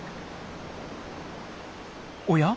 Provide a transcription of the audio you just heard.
おや？